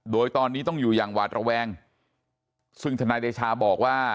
โดยตอนนี้ต้องอยู่อย่างหวาดระแวงซึ่งธนายเดชาบอกว่า